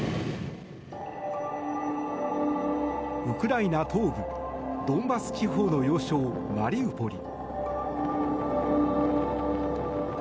ウクライナ東部ドンバス地方の要衝マリウポリ。